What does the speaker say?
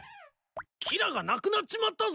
「キラ」がなくなっちまったぞ！